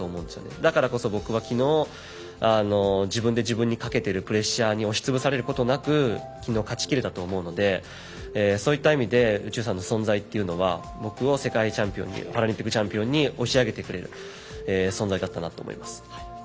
だからこそ僕はきのう自分で自分にかけているプレッシャーに押し潰されることなくきのう勝ちきれたと思うのでそういった意味で宇宙さんの存在というのは僕を世界チャンピオンにパラリンピックチャンピオンに押し上げてくれる存在だったなと思います。